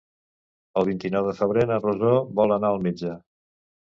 El vint-i-nou de febrer na Rosó vol anar al metge.